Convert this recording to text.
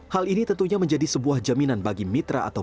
hal ini tentunya menjadi sebuah jaminan bagi mitra atau